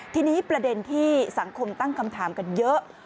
ทีนี้ประเด็นที่สังคมตั้งคำถามกันเยอะ